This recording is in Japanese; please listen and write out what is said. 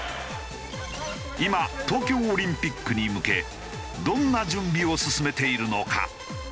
今東京オリンピックに向けどんな準備を進めているのか？